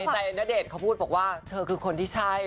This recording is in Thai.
ใจณเดชน์เขาพูดบอกว่าเธอคือคนที่ใช่